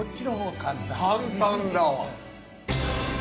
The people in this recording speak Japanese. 簡単だわ。